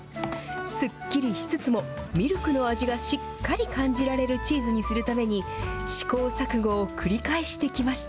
すっきりしつつも、ミルクの味がしっかり感じられるチーズにするために、試行錯誤を繰り返してきました。